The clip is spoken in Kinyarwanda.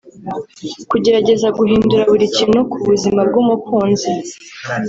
Kugerageza guhindura buri kintu ku buzima bw’umukunzi